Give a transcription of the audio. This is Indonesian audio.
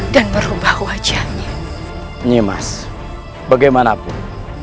dan merubah wajahnya nyemas bagaimanapun